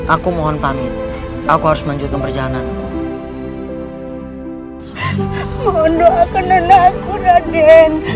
aku mohon pamit aku harus menjaga perjalanan